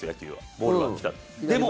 ボールが来たと。